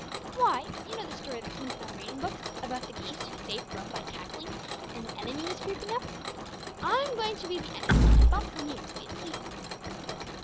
"Why you know the story that comes in our reading books about the geese who saved Rome by cackling when the enemy was creeping up. I'm going to be the enemy, and Bumps and you must be asleep."